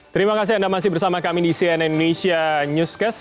terima kasih anda masih bersama kami di cnn indonesia newscast